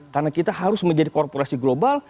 karena kita harus menjadi korporasi global